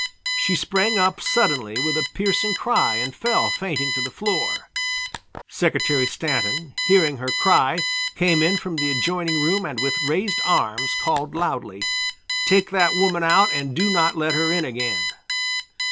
She sprang up suddenly with a piercing cry and fell fainting to the floor. Secretary Stanton hearing her cry came in from the adjoining room and with raised arms called out loudly: "Take that woman out and do not let her in again."